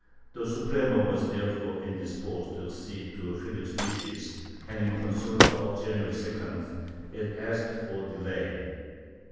The Suprema was therefore indisposed to accede to Philip's wishes and, in a consulta of January 2d, it asked for delay.